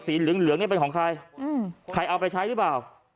เหลืองเนี่ยเป็นของใครใครเอาไปใช้หรือเปล่า